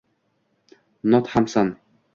Not Hamson